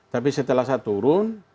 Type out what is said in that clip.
tapi setelah saya turun